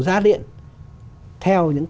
giá điện theo những